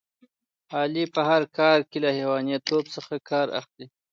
علي په هر کار کې له حیوانتوب څخه کار اخلي.